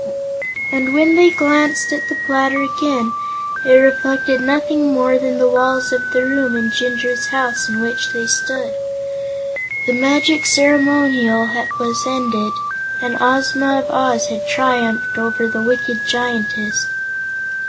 And, when they glanced at the platter again, it reflected nothing more than the walls of the room in Jinjur's house in which they stood. The magic ceremonial was ended, and Ozma of Oz had triumphed over the wicked Giantess.